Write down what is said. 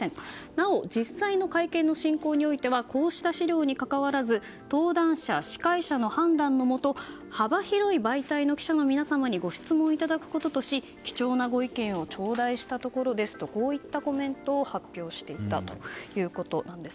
なお、実際の会見の進行においてはこうした資料にかかわらず登壇者、司会者の判断のもと幅広い媒体の記者の皆様にご質問いただくこととし貴重なご意見を頂戴したところですといったコメントを発表したということです。